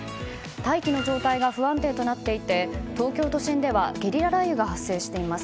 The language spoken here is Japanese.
大気の状態が不安定となっていて東京都心ではゲリラ雷雨が発生しています。